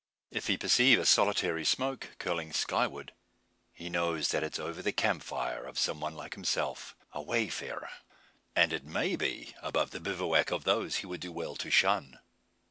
If he perceive a solitary smoke, curling skyward, he knows that it is over the camp fire of some one like himself a wayfarer. And it may be above the bivouac of those he would do well to shun.